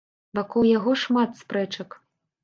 Вакол яго шмат спрэчак.